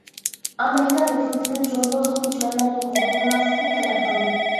ئامېرىكا ھۆكۈمىتىدىن جۇڭگولۇق كۆچمەنلەرنى قوبۇل قىلماسلىقنى تەلەپ قىلدى.